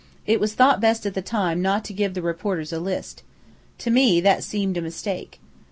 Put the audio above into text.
"It was thought best at the time not to give the reporters a list. To me, that seemed a mistake.